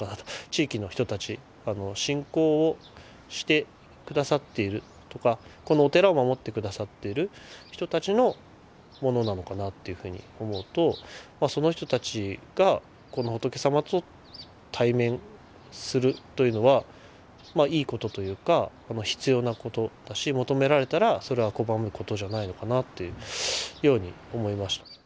地域の人たち信仰をして下さっているとかこのお寺を守って下さっている人たちのものなのかなっていうふうに思うとその人たちがこの仏様と対面するというのはまあいいことというか必要なことだし求められたらそれは拒むことじゃないのかなっていうように思いました。